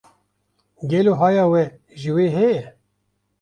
Gelo haya we ji we heye?